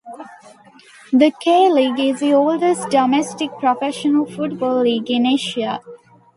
The K-League is the oldest domestic professional football league in Asia.